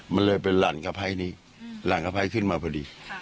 มันเลยเป็นหลานสะพ้ายนี้หลานสะพ้ายขึ้นมาพอดี